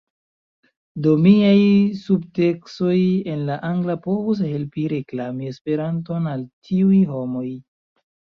Do miaj subteksoj en la angla povus helpi reklami Esperanton al tiuj homoj